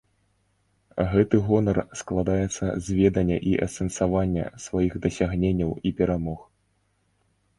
Гэты гонар складаецца з ведання і асэнсавання сваіх дасягненняў і перамог.